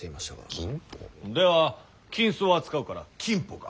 銀舗？では金子を扱うから「金舗」か。